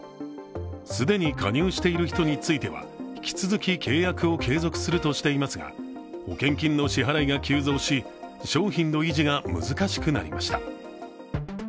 既に加入している人については引き続き契約を継続するとしていますが保険金の支払いが急増し商品の維持が難しくなりました。